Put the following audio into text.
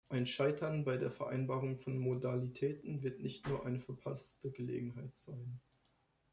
Ein Scheitern bei der Vereinbarung von Modalitäten wird nicht nur eine verpasste Gelegenheit sein.